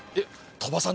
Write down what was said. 鳥羽さん。